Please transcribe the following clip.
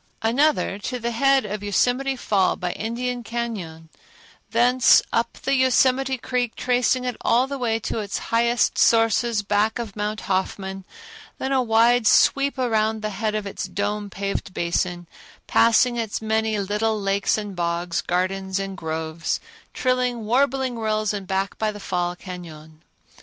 Another, to the head of Yosemite Fall by Indian Cañon; thence up the Yosemite Creek, tracing it all the way to its highest sources back of Mount Hoffman, then a wide sweep around the head of its dome paved basin, passing its many little lakes and bogs, gardens and groves, trilling, warbling rills, and back by the Fall Cañon.